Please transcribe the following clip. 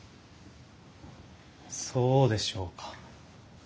そうでしょうか。